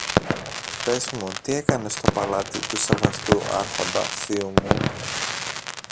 Πες μου τι έκανες στο παλάτι του σεβαστού Άρχοντα θείου μου.